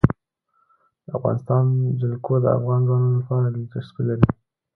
د افغانستان جلکو د افغان ځوانانو لپاره دلچسپي لري.